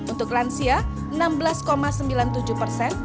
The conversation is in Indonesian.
untuk lansia enam belas sembilan puluh tujuh persen